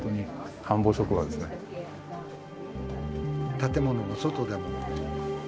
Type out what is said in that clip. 建物の外でも。